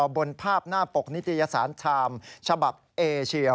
บนภาพหน้าปกนิตยสารชามฉบับเอเชีย